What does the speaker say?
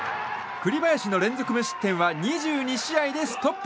栗林の連続無失点は２２試合でストップ。